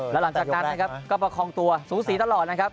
แล้วหลังจากนั้นนะครับก็ประคองตัวสูสีตลอดนะครับ